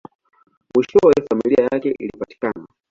Mwishowe, familia yake ilipatikana.